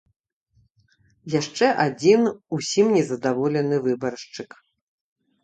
Яшчэ адзін ўсім незадаволены выбаршчык.